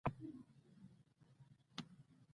مېوند تارڼ چاکلېټ غواړي.